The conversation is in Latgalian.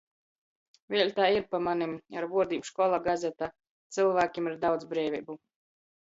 Vēļ tai ir, pa manim, ar vuordim škola, gazeta. Cylvākim ir daudz breiveibu.